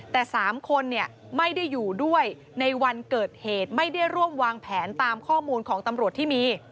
แต่๓คนไม่ได้อยู่ด้วยในวันเกิดเหตุไม่ได้ร่วมวางแผนตามข้อมูลของตำรวจที่มี